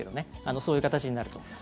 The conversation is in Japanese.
そういう形になると思います。